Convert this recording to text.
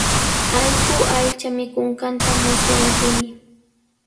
Allqu aycha mikunqanta musyankimi.